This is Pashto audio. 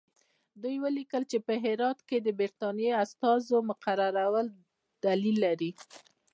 دوی ولیکل چې په هرات کې د برټانیې د استازي مقررول دلیل لري.